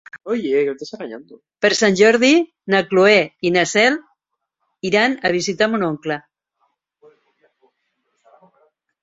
Per Sant Jordi na Cloè i na Cel iran a visitar mon oncle.